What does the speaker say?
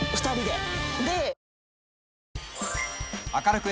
２人で。